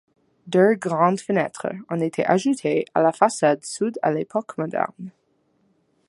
Deux grandes fenêtres ont été ajoutées à la façade sud à l'époque moderne.